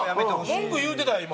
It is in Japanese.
文句言うてたやん今。